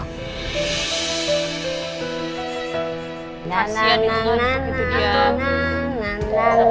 nah nah nah nah